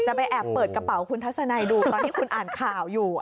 ไปแอบเปิดกระเป๋าคุณทัศนัยดูตอนที่คุณอ่านข่าวอยู่